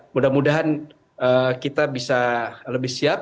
mudah mudahan kita bisa lebih siap